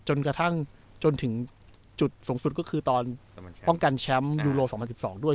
จนกระทั่งจนถึงจุดสูงสุดก็คือตอนป้องกันแชมป์ยูโร๒๐๑๒ด้วย